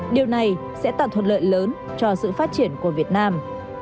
điều này sẽ tạo thuận lợi lớn cho sự phát triển của việt nam